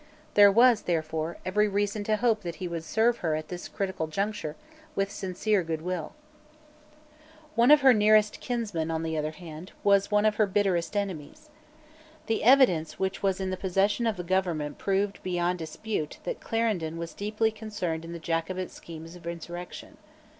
There was, therefore, every reason to hope that he would serve her at this critical conjuncture with sincere good will, One of her nearest kinsmen, on the other hand, was one of her bitterest enemies. The evidence which was in the possession of the government proved beyond dispute that Clarendon was deeply concerned in the Jacobite schemes of insurrection.